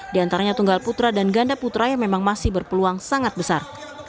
di antaranya tunggal putra dan ganda putra yang memang masih berpeluang sangat besar